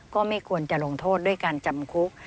ก็ไม่ควรจะลงโทษด้วยการจำคุก